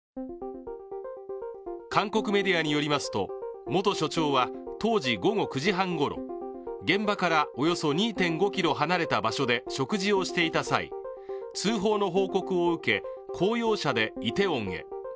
韓国メディアによりますと元署長は当時午後９時半ごろ現場からおよそ２．５ｋｍ離れた場所で食事をしていた際、通報の報告を受け公用車でイテウォンへ。